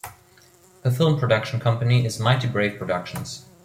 Her film production company is Mighty Brave Productions.